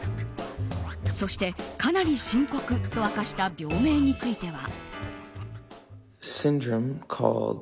そして、かなり深刻と明かした病名については。